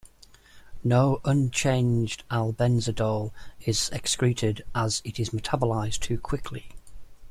No unchanged albendazole is excreted, as it is metabolized too quickly.